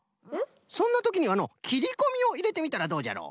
そんなときにはのうきりこみをいれてみたらどうじゃろう？